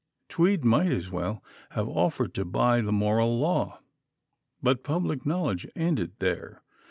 Tweed might as well have offered to buy the moral law. But public knowledge ended there.